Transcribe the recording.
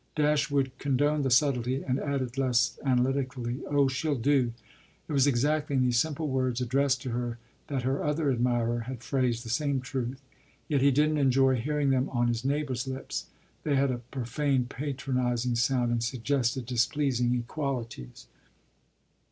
Dashwood condoned the subtlety and added less analytically, "Oh she'll do!" It was exactly in these simple words, addressed to her, that her other admirer had phrased the same truth; yet he didn't enjoy hearing them on his neighbour's lips: they had a profane, patronising sound and suggested displeasing equalities.